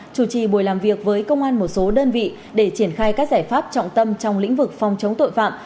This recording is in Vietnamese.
chủ trì buổi làm việc với công an một số đơn vị để triển khai các giải pháp trọng tâm trong lĩnh vực phòng chống tội phạm